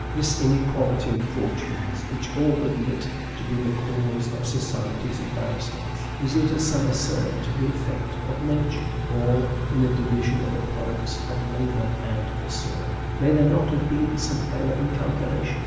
This inequality of fortunes which all admit to be the cause of society's embarrassments, is it, as some assert, the effect of Nature; or, in the division of the products of labor and the soil, may there not have been some error in calculation?